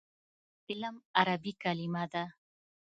علم عربي کلمه ده.